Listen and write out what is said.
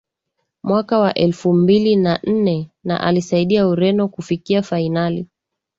Mwaka wa elfu mbili na nne na alisaidia Ureno kufikia fainali